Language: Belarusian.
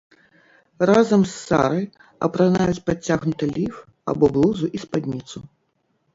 Разам з сары апранаюць падцягнуты ліф або блузу і спадніцу.